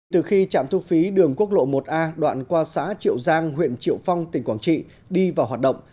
từ khi trạm thu phí đường quốc lộ một a đoạn qua xã triệu giang huyện triệu phong tỉnh quảng trị đi vào hoạt động